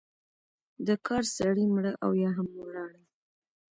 د کار سړی مړه او یا هم ولاړل.